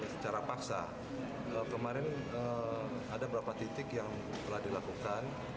secara paksa kemarin ada beberapa titik yang telah dilakukan